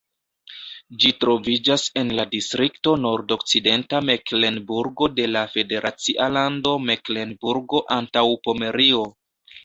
Ĝi troviĝas en la distrikto Nordokcidenta Meklenburgo de la federacia lando Meklenburgo-Antaŭpomerio.